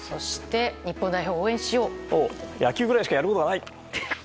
野球くらいしかやることがない。